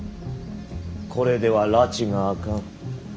これではらちが明かん。